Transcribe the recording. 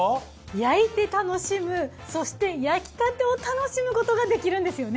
焼いて楽しむそして焼きたてを楽しむことができるんですよね。